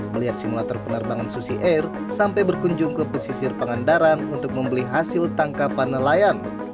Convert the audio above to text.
melihat simulator penerbangan susi air sampai berkunjung ke pesisir pangandaran untuk membeli hasil tangkapan nelayan